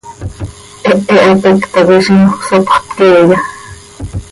¿Hehe hapéc tacoi zímjöc sopxöt queeya?